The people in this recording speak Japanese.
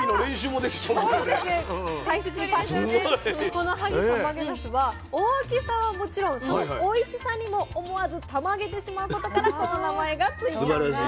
この萩たまげなすは大きさはもちろんそのおいしさにも思わずたまげてしまうことからこの名前が付いたんです。